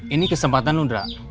ini kesempatan lo dra